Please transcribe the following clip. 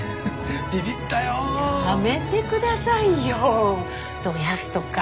やめてくださいよドヤすとか。